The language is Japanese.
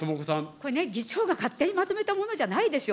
これね、議長が勝手にまとめたものじゃないでしょ。